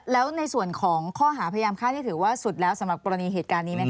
แล้วในส่วนของข้อหาพยายามฆ่านี่ถือว่าสุดแล้วสำหรับกรณีเหตุการณ์นี้ไหมค